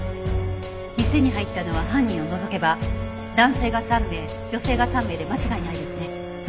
店に入ったのは犯人を除けば男性が３名女性が３名で間違いないですね。